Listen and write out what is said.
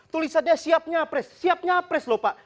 tulisannya siap nyapres siap nyapres loh pak